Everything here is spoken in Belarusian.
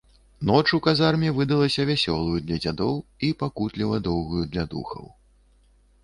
Ноч у казарме выдалася вясёлаю для дзядоў і пакутліва доўгаю для духаў.